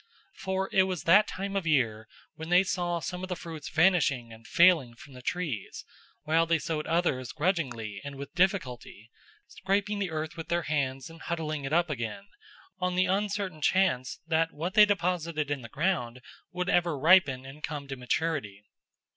... For it was that time of year when they saw some of the fruits vanishing and failing from the trees, while they sowed others grudgingly and with difficulty, scraping the earth with their hands and huddling it up again, on the uncertain chance that what they deposited in the ground would ever ripen and come to maturity.